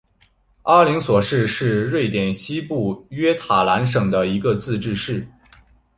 阿灵索斯市是瑞典西部西约塔兰省的一个自治市。